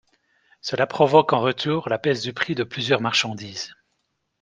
Cela provoque en retour la baisse du prix de plusieurs marchandises.